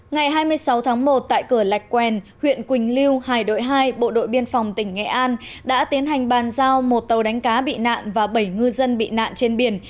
ngày hai mươi sáu tháng một tại cửa lạch quen huyện quỳnh lưu hải đội hai bộ đội biên phòng tỉnh nghệ an đã tiến hành bàn giao một tàu đánh cá bị nạn và bảy ngư dân bị nạn trên biển